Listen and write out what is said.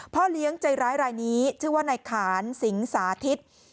พ่อเลี้ยงใจร้ายรายนี้ชื่อว่านายขานสิงสาธิต